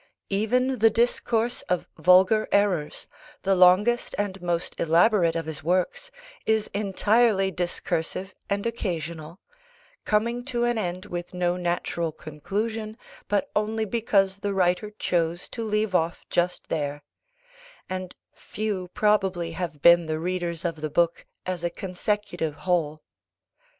Even the Discourse of Vulgar Errors, the longest and most elaborate of his works, is entirely discursive and occasional, coming to an end with no natural conclusion, but only because the writer chose to leave off just there; and few probably have been the readers of the book as a consecutive whole.